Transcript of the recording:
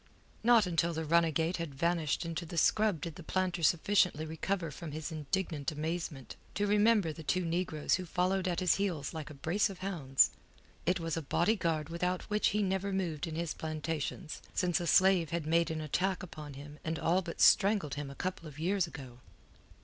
Not until the runagate had vanished into the scrub did the planter sufficiently recover from his indignant amazement to remember the two negroes who followed at his heels like a brace of hounds. It was a bodyguard without which he never moved in his plantations since a slave had made an attack upon him and all but strangled him a couple of years ago.